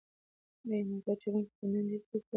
ایا موټر چلونکی به نن ډېرې پیسې وګټي؟